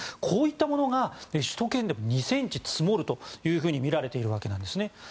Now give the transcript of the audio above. こういったものが首都圏で２ｃｍ積もるとみられているわけなんですね。